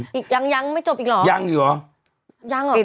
ห๊ะอีกยังไม่จบอีกหรอยังเหรอ